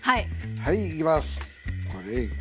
はいいきます。